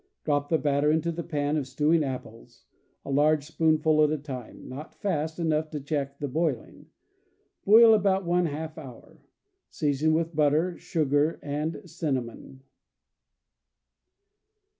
Drop the batter into the pan of stewing apples, a large spoonful at a time, not fast enough to check the boiling. Boil about one half hour. Season with butter, sugar, and cinnamon.